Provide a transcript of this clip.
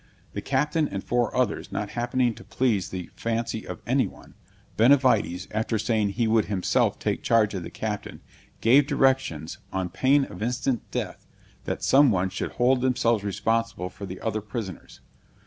The captain and four others not happening to please the fancy of any one, Benavides, after saying he would himself take charge of the captain, gave directions, on pain of instant death, that some one should hold themselves responsible for the other prisoners.